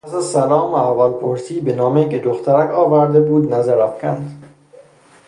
پس از سلام و احوالپرسیبه نامهای که دخترک آورده بود نظر افکند.